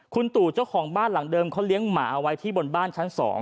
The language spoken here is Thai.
คุณตู่เจ้าของบ้านหลังเดิมเขาเลี้ยงหมาเอาไว้ที่บนบ้านชั้น๒